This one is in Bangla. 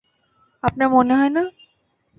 আপনার মনে হয় না?